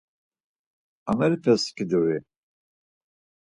Amerepes skiduri?